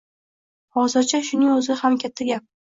Hozircha shuning oʻzi ham katta gap.